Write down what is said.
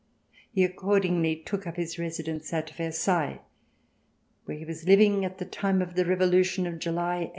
He accordingly took up his residence at Versailles, where he was living at the time of the Revolution of July, 1830.